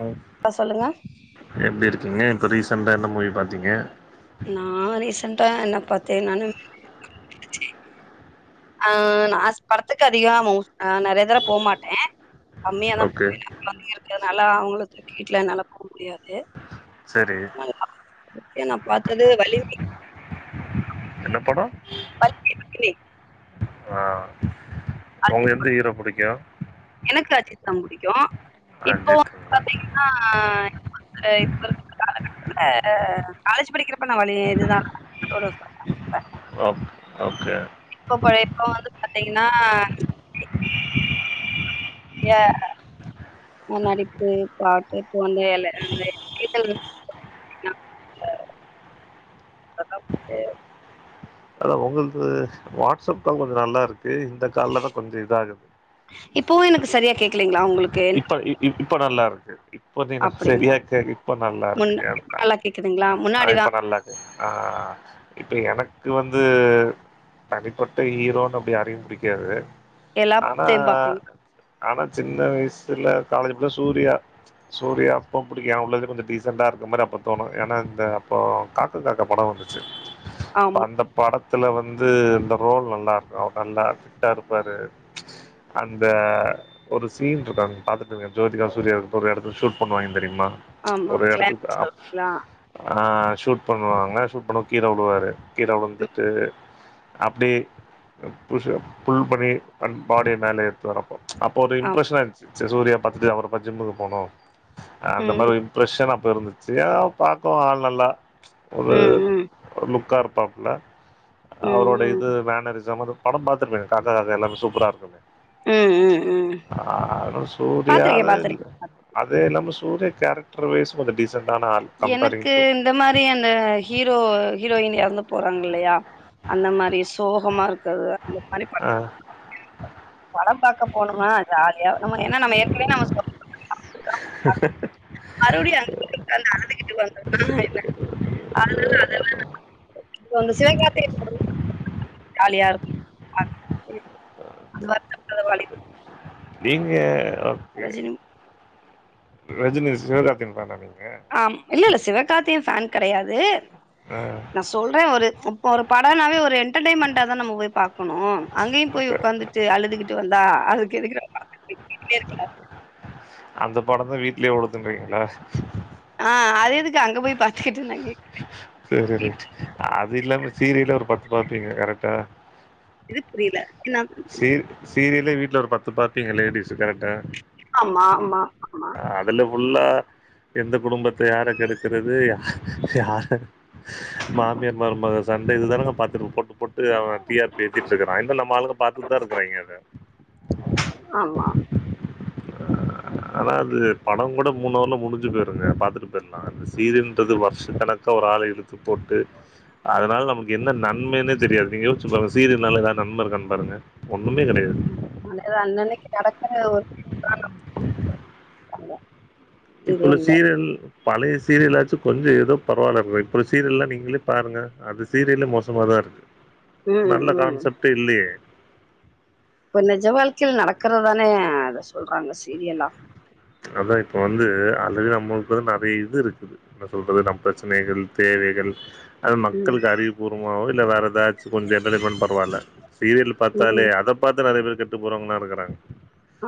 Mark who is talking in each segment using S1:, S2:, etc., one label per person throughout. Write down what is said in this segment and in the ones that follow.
S1: Hello
S2: ஆ சொல்லுங்க
S1: எப்டி இருக்கீங்க இப்ப ரீசண்டா என்ன மூவி பாத்தீங்க.
S2: நா ரீசன்ண்டா என்ன பாத்தே நானு ஆ நா படத்துக்கு அதிகமா ஆ நெறைய தர போ மாட்டே கம்மியாதா
S1: ஓகே
S2: போவே [inaudible] இருக்கதுனாலா அவங்களு வீட்ல என்னால போக முடியாது.
S1: செரி
S2: இப்ப நா பாத்தது வலிமை
S1: என்ன படோ
S2: [unintelligible]
S1: ஆ
S2: அஜித்
S1: உங்களுக்கு எந்த
S2: படோ
S1: ஹீரோ பிடிக்கும்
S2: எனக்கு அஜ்த்தா பிடிக்கு இப்போ
S1: அஜித்துங்களா
S2: பாத்தீங்க னா ஆ இப்ப இப்ப த்துல காலேஜ் படிக்கிறப்ப நா அவருடைய இது தா
S1: ஓ ஓகே
S2: இப்ப போய் இப்ப வந்து பாத்தீங்கன்னா
S1: [inaudible]
S2: ஏ நடிப்பு பாட்டு இப்போ அந்தல அந்த [unintelligible] [inaudible]
S1: அதா உங்கள்து வாட்ஸ்அப் கால் கொஞ்சோ நல்லா இருக்கு இந்த கால்ல தான் கொஞ்சோ இதாகுது
S2: இப்பவு எனக்கு சரியா கேக்கலைங்களா உங்களுக்கு
S1: இப்ப இப் இப்ப நல்லா இருக்கு இப்ப நீீங்கன்னா
S2: அப்டிங்களா
S1: சரியா இருக்க இப்ப நல்லா இருக்கு
S2: முன்ன இப்ப
S1: ஏப்ப
S2: நல்லா கேக்குதுங்களா?
S1: அ
S2: முன்னாடிதா
S1: இப்ப நல்லா இருக்கு ஆ இப்ப எனக் க்கு வந்து தனிப்பட்ட ஹீரோன்னு அப்டி யாரையு பிடிக்காது ஆனா
S2: எல்லாத்தையு பாப்பீங்க.
S1: ஆனா சின்ன வயசுல காலேஜ்ப்பா சூர்யா சூர்யா அப்போ பிடிக்கு அவுங்களா கொஞ்சம் டீசெண்டா இருக்க மாதிரி அப்ப தோணும் ஏன்னா இந்த அப்போ அதுக்கக்க படம் வந்துச்சு
S2: ஆமா,
S1: அந்த படத்துல வந்து இந்த ரோல் நல்லா இருக்கு அவர் நல்லா பிட்டா இருப்பாரு அந்த ஒரு சீன் இருக்காங்க பாத்துட்டு இருக்கன் ஜோதிகா சூர்யா ஒரு இடத்துல ஷூட் பண்ணுவாங்க தெரியுமா
S2: ஆமா.
S1: ஒரு
S2: கிளாரிட்டி
S1: இடத்துக்கு
S2: சொல்றீங்களா?
S1: ஆ ஷூட் பண்ணுவாங்களன் ஷூட் பண்ணுவா கீல விழுவாரு கீழே
S2: ம்,
S1: விழுந்துட்டு அப்டே புசு புல் பண்ணி அ பாடிய மேலே எடுத்து வரப்போ அப்போ ஒரு
S2: ஆமா.
S1: இம்ப்ரெஷன் ஆ இருந்துச்சு சூர்யா பாத்தது அவரப் பாத்து ஜிம்முக்கு போனும் அந்த
S2: ம்,
S1: மாதிரி ரெஷனா போயிருந்துச்சு ஏா பாக்கோ ஆள் நல்லா
S2: ம்,
S1: ஒரு
S2: ம், ம்,
S1: லுக்கா இரு க்காப்ல அவரோட
S2: ம்,
S1: இது மேனரிசம் படம் பாத்திருப்பேங்க காக்கா காக்கா எல்லாமே சூப்பரா இருக்குமே
S2: ம், ம், ம்.
S1: ஆ
S2: பாத்துருக்கே,
S1: சூரியரியாத
S2: பாத்துருக்கே.
S1: இல்ல அதே இல்லாம சூரியா கேரக்டர் வைஸ் கொஞ்சம் டிசென்ட் ஆன ஆள் கம்பேரிங்
S2: எனக்கு
S1: டு
S2: இந்த மாரி அந்த ஹீரோ ஹீரோயின் எறந்து போறாங்க இல்லையா அந்த மாரி சோகமா இருக்குது அந்த மாரி
S1: ஆ
S2: வானம் பாக்க போணுமா ஜாலியா நம்ம என்ன நம்ம ஏற்கனையே நம்ம சொன்ன மாதிரி தான் மறுபடியு அந்த அந்த அலுதுகிட்டு வந்த என்ன அதனால அதெல்லா [inaudible] காலியா இருக்கும் அ [unintelligible]
S1: நீங்க ஓகே
S2: ரஜினி
S1: ரஜினி சிவகார்த்திகேயன் ஃபேன்ஆ நீங்க
S2: ஆம் இல்ல இல்ல சிவகார்த்திகேயன் ஃபேன் கிடையாது
S1: ஆ
S2: நான் சொல்றேன் ஒரு இப்ப படனாவே ஒரு என்டர்டென்மெண்டா தான் நம்ம போய் பாக் கணும் அங்கேயும் போய்
S1: ஓகே
S2: உட்காந்துட்டு அழுதுகிட்டு வந்தா அதுக்கு எதுக்கு நா பாக்கணும் வீட்டிலேயே இருக்கலா
S1: அந்த படம் தான் வீட்லயே ஓடுத்துன்றீங்களா
S2: ஆ அத எதுக்கு அங்க போய் பாத்துக்கிட்டு நான் கேட்கிறேன்
S1: சரி ரைட் அது இல்லாம சீரியலே ஒரு பத்து பார்ப்பீங்க கரெக்டா
S2: இது புரில என்னாது
S1: சீர் சீரியலே வீட்ல ஒரு பத்து பாப்பீங்க லேடிஸ் கரெக்டா
S2: ஆமா ஆமா ஆமா
S1: அதுல புல்லா எந்த குடும்பத்த யார கெடுக்கிறது ய யார மாமியார் மருமக சண்டை இதுதானங்க பாத்துட்டு போட்டு போட்டு அவன் டி ஆர் பி ஏத்திகிட்டு இருக்கான் இத நம்மாளுங்க பாத் குதா இருக்கிறாங்க அத
S2: ஆமா
S1: ஆனா அது படம் கூட மூனவர்ல முடிஞ்சு போயிருங்க பாத்துட்டு ஆனா சீரியல் ன்றது வருஷ கணக்க ஒரு ஆள இழுத்து போட்டு அதனால நமக்கு என்ன நன்மைன்னே தெரியாது நீங்கயோச்சு பாருங்க சீரியல்னால ஏதாவது நன்ம இருக்கானு பாருங்க ஒண்ணுமே கெடயாது
S2: அது அன்னன்னைக்கு நடக்கிற ஒரு [inaudible] [inaudible]
S1: இப்புள்ள
S2: சீரியல்ல
S1: சீரியல் பழைய சீரியலாச்சும் கொஞ்சம் ஏதோ பரவாயில்ல இருக்கு இப்ப இருக்குற சீரியல்லாம் நீங்களே பாருங்க அது சீரியலே மோசமா தா இருக்கு
S2: ம்
S1: நல்ல
S2: ம்
S1: கான்செப்ட்டே இல்லையே
S2: இப்ப நிஜ வாழ்க்கையில் நடக்கறதானே அத சொல்றாங்க சீரியலா
S1: அதா இப்ப வந்து ஆல்ரெடி நம்மளுக்கு நெறைய இது இருக்குது என்ன சொல்றது நம் பிரச்சனைகள் தேவைகள் அது
S2: ம்
S1: மக்களுக்கு அறிவு பூர்வமாவோ இல்ல வேற ஏதாச்சும் கொஞ்சம் என்டர்டைமென் பரவாயில்ல சீரியல் பாத்தாலே
S2: ம்
S1: அத பாத்து நெறய பேர் கெட்டு போறவங்கல்லா இருக்கறாங்க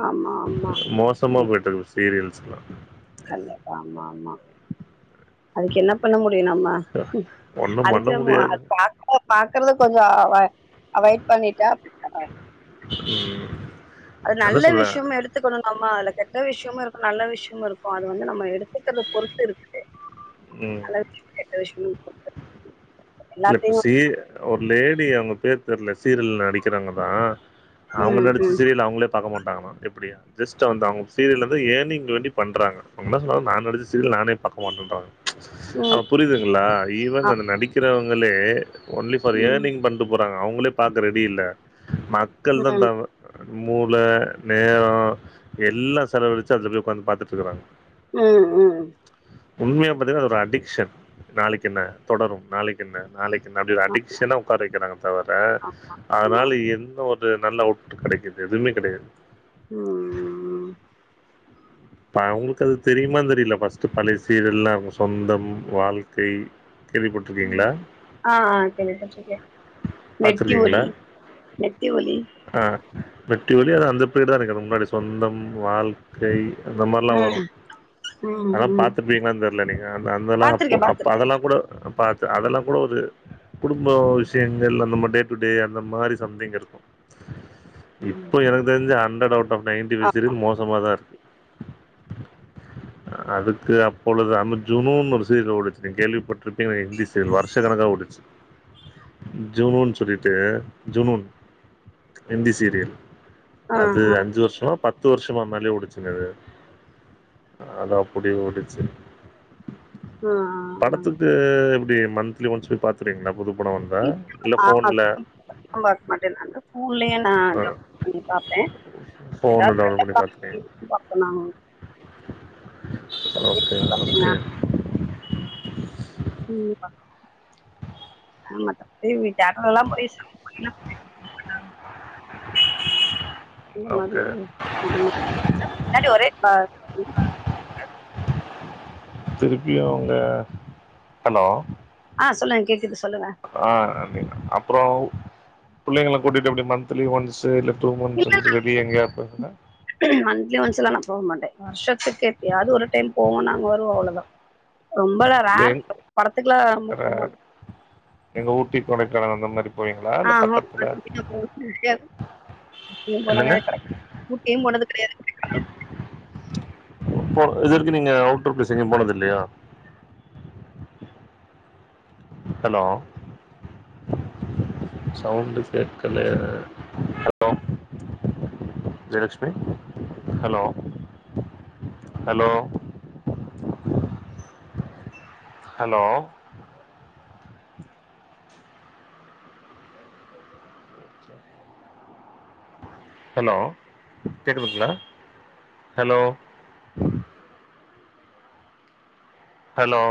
S2: ஆமா ஆமா
S1: த்தமா போயிட்டு இருக்கும் சீரியல்ஸ்க்ல்லா
S2: கண்டிப்பா ஆமா ஆமா அதுக்கு என்ன பண்ண முடியும் நம்ம
S1: ஒண்ணும்
S2: அதுக்கு
S1: பண்ண
S2: நம்ம
S1: முடியாது.
S2: அத பாக் பாக்குறத கொஞ்சம் அவ அவாய்ட் பண்ணிட்டா [unintelligible]
S1: ம்
S2: அது
S1: என்ன
S2: நல்ல
S1: சொல்ல?
S2: விஷயம் எடுத் எடுத்துக்குணும் நம்ம அதுல கெட்ட விஷ்யமும் இருக்கும் நல்ல விஷ்யமும் இருக்கும் அது வந்து நம்ம எடுத்துக்கறத பொறுத்து இருக்குது
S1: ம்
S2: [inaudible]
S1: இல்ல இப்ப
S2: எல்லாத்தையு
S1: சீ ஒரு லேடி அவங்க பேர் தெர்ல சீரியல் நடிக்கிறவங்கதா அவ்ங்க
S2: ம்
S1: நடிச்ச
S2: ம்
S1: சீரியல அவங்களே பாக்க மாட்டாங்களா எப்டியா ஜஸ்ட் வந்து அவங்க சீரியல்ல வந்து ஏர்னிங்கு வேண்டி பண்றாங்க அவங்க என்ன சொன்னாங்க நா நடிச்ச சீரியல் நானே பாக்க மாட்டேன்றாங்க
S2: ம்
S1: அப்ப புரியுதுங்களா ஈவன் அந்த நடிக்கிறவங்களே ஒன்லி ஃபார் ஏர்னிங் பண்டு போறாங்க அவங்களே பாக்க ரெடி இல்ல மக்கள் தான்
S2: ம்
S1: தவ மூள நேரம் எல்லா செலவழிச்சு அதுல போய் உக்காந்து பாத்துட்டு இருக்கறாங்க
S2: ம் ம்
S1: உண்மையா பாத்தீங்கனா அது ஒரு அடிக்ஷன் நாளைக்கு என்ன தொடரும் நாளைக்கு என்ன நாளைக் க்கென்ன அப்டி
S2: ஆ-
S1: அடிக்ஷனா உட்காற வெக்கிறாங்க தவர
S2: ஆமா
S1: அதனால என்ன ஒரு நல்ல அவுட் புட் கெடைக்குது எதுவுமே கெடயா
S2: ம் ம் ம்
S1: டா உங்ளுக்கு அது தெரியுமானு தெரியல பர்ஸ்ட் பழைய சீரியல்லா சொந்தம் வாழ்க்கை கேள்விப்பட்டுருக்கீங்களா?
S2: ம் ஆ ஆ கேள்விப்பட்டுருகே மெட்டி
S1: பாத்துருக்கீங்களா?
S2: ஒலி மெட்டி ஒலி
S1: ஆ மெட்டி ஒலி அதா அந்த பிரியடு தா அதுக்கு முன்னாடிதா சொந்தம் வாழ்க்கை அந்த மாரிலா
S2: ம்
S1: வரும்
S2: ம்
S1: ஆனா
S2: ம்
S1: பாத்து பீங்களா தெரியல நீங்க அந்த அந் அந்த அப்போ
S2: பாத்திருக்கே
S1: அப்ப
S2: பாத்திருக்கே
S1: அதெல்லாம் கூட பத் து அதெல்லா கூட ஒரு குடும்ப விஷயங்கள் அந்த மா டே டூ டே அந்த மாரி சம்திங் இருக்கும்
S2: ம்
S1: இப்ப எனக்கு தெரிஞ்சு ஹண்ட்ரட் அவுட் ஆஃப் நைன்டி
S2: ஆமா
S1: சீரியல்ஸ் மோசமாதா இருக்கு அதுக்கு அப்பொழுது அமர்ஜுனுன்னு ஒரு சீரியல் ஓடுச்சு கேள்விப்பட்ருப்பீங்க ஹிந்தி சீரியல் வருஷ கணக்கா ஓடுச் ஜுனுன்னு சொல்லிட்டு ஜுனுன் இந்தி சீரியல்
S2: ஆ
S1: அது
S2: ஆ
S1: அஞ்சு வருஷமா பத்து வருஷமா மேலே ஓடுச்சு ங்கது அது அப்படி ஓடுச்சு
S2: ஆ, ஆ,
S1: படத்துக்கு எப்டி மந்த்லி ஒன்ஸ் போய் பாத்துருவிங்களா புது படோ வந்தா இல்ல
S2: ஆ. ஆ
S1: ஃபோன்ல
S2: படம் பாக்க மாட்டே நானு ஃபோன்லயே நானு டவுன்லோட் பண்ணி பாப்பே
S1: ஃபோன்ல டவுன்லோட் பண்ணி பார்த்துருவீங்க
S2: [unintelligible] பாக்கணு
S1: ஓகே
S2: பார்த்தீங்கன்னா,
S1: ஓகே
S2: டிவி பாக்க மாட்டே ஆமாதா வீட்டு [unintelligible] எல்லா போய் [unintelligible] அந்த மாதிரி
S1: ஓகே
S2: அது மாதிரி முன்னாடி ஒரே ப
S1: திருப்பியு அவுங்க ஹலோ
S2: ஆ சொல்லுங்க கேக்குது சொல்லுங்க
S1: ஆ அப்டின்டு அப்புற புள்ளைங்கள கூட்டிட்டு அப்டி மந்த்லி ஒன்ஸ் இல்ல டூ மந்த்ஸ்
S2: இல்ல
S1: ஒன்ஸ் வெளிய எங்கயா போவீங்களா
S2: மந்த்லி ஒன்ஸ்லா நா போக மாட்டே வருஷத்துக்கு எப்பயாவது ஒரு டைம் போவோ நாங்க வருவோ அவ்வளதா ரொம்பளா
S1: எங் கட எங்க ஊட்டி கொடைக்கானல் அந்த மாதிரி போவீங்களா
S2: அ
S1: இல்ல பக்கத்துல
S2: [unintelligible] எப்பயு போலதா
S1: என்னங்க
S2: அது கெடைக்கு ஊட்டியு போனது கெடையாது
S1: போ இது வரைக்கு நீங்க அவுட் டூர் பிளேஸ் எங்கயு போனது இல்லையா ஹலோ சவுண்டு கேக்கல hello Jayalakshmi hello hello hello hello கேக்குதுங்களா ஹலோ ஹலோ